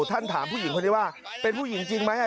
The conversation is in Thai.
ถามผู้หญิงคนนี้ว่าเป็นผู้หญิงจริงไหม